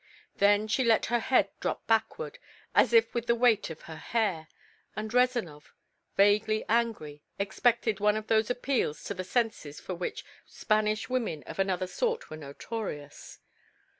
Then she let her head drop backward, as if with the weight of her hair, and Rezanov, vaguely angry, expected one of those appeals to the senses for which Spanish women of another sort were notorious.